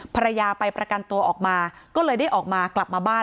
ภรรยาไปประกันตัวออกมาก็เลยได้ออกมากลับมาบ้าน